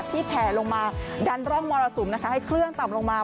แผ่ลงมาดันร่องมรสุมให้เคลื่อนต่ำลงมา